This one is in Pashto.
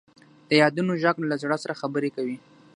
د یادونو ږغ له زړه سره خبرې کوي.